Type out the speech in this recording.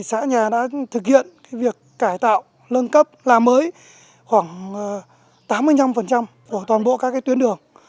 xã nhà đã thực hiện việc cải tạo nâng cấp làm mới khoảng tám mươi năm của toàn bộ các tuyến đường